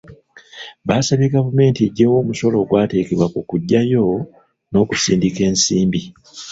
Baasabye gavumenti eggyewo omusolo ogwateekebwa ku kugyayo n'okusindika ensimbi.